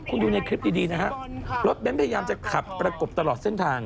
คุณดูในคลิปดีนะฮะรถเบ้นพยายามจะขับประกบตลอดเส้นทาง